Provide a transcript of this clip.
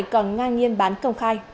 cần ngang nhiên bán công khai